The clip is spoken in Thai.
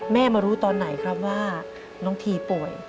มารู้ตอนไหนครับว่าน้องทีป่วย